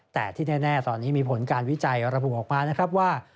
แต่ที่แน่ตอนนี้มีผลการวิจัยระบุออกมานะครับว่า